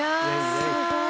すごい。